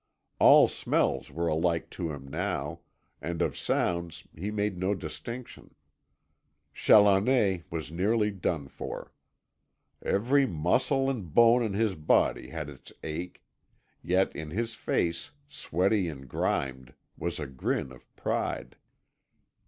All smells were alike to him now, and of sounds he made no distinction. Challoner was nearly done for. Every muscle and bone in his body had its ache. Yet in his face, sweaty and grimed, was a grin of pride.